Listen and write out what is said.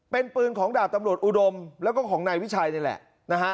เป็นปืนของดาบตำรวจอุดมแล้วก็ของนายวิชัยนี่แหละนะฮะ